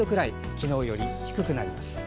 昨日より低くなります。